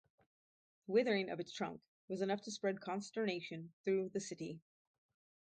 The withering of its trunk was enough to spread consternation through the city.